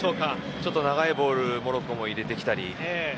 ちょっと長いボールをモロッコも入れてきたり。